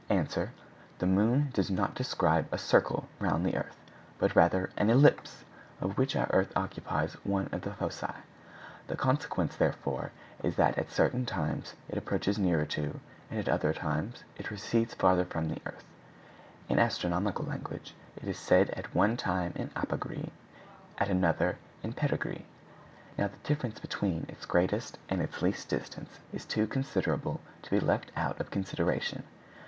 Answer.—The moon does not describe a circle round the earth, but rather an ellipse, of which our earth occupies one of the foci; the consequence, therefore, is, that at certain times it approaches nearer to, and at others it recedes farther from, the earth; in astronomical language, it is at one time in apogee, at another in perigee. Now the difference between its greatest and its least distance is too considerable to be left out of consideration.